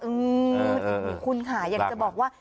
อืมมมมีคุณข่ายังจะบอกว่า